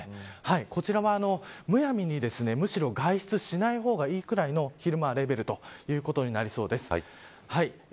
こちらは、むやみにむしろ外出しない方がいいくらいの昼間はレベルということになりそうです。